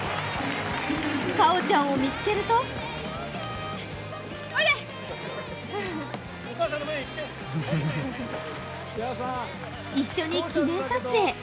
果緒ちゃんを見つけると一緒に記念撮影。